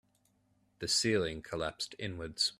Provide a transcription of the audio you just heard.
The ceiling collapsed inwards.